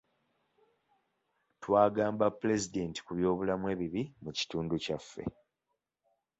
Twagamba pulezidenti ku byobulamu ebibi mu kitundu kyaffe.